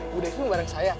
bu devi bareng saya